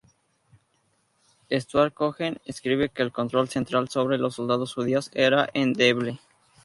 Stuart Cohen escribe que el control central sobre los soldados judíos era endeble.